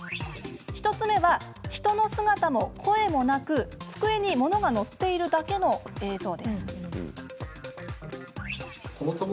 １つ目は、人の姿も声もなく机に物が載っているだけの映像。